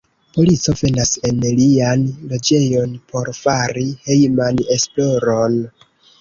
Polico venas en lian loĝejon por fari hejman esploron.